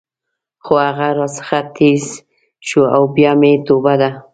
خو هغه راڅخه ټیز شو او بیا مې توبه ده.